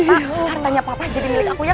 sampai jumpa di video selanjutnya